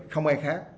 không ai khác